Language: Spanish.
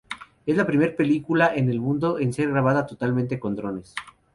Es la primera película en el mundo en ser grabada totalmente con drones.